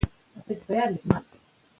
سپین ږیري په ټولنه کې د خیر سرچینه وي.